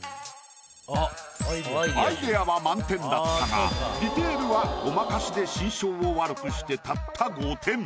アイデアは満点だったがディテールはごまかしで心証を悪くしてたった５点。